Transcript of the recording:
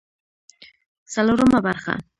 څلورمه برخه